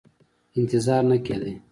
انتظار نه کېدی.